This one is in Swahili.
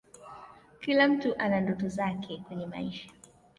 kila mtu ana ndoto zake kwenye maisha